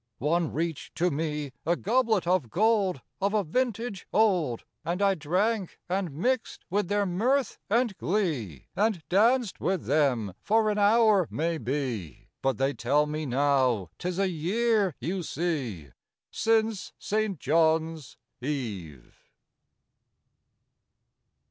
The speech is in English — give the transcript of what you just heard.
One reached to me A goblet of gold of a vintage old, And I drank, and mixed with their mirth and glee, And danced with them for an hour, may be. But they tell me now 'tis a year, you see, Since St. John's Eve.